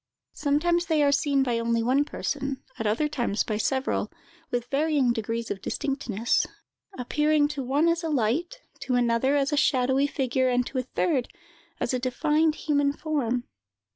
Sometimes they are seen by only one person, at other times by several, with varying degrees of distinctness, appearing to one as a light, to another as a shadowy figure, and to a third as a defined human form.